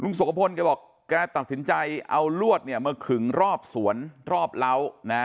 ลุงโสพลเขาบอกแกตัดสินใจเอาลวดมาขึงรอบสวนรอบเหล้า